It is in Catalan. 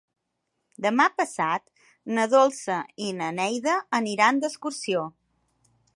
Demà passat na Dolça i na Neida aniran d'excursió.